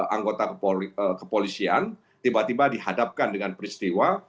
anggota kepolisian tiba tiba dihadapkan dengan peristiwa